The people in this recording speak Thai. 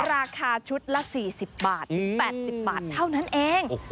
ราคาชุดละ๔๐บาทถึง๘๐บาทเท่านั้นเอง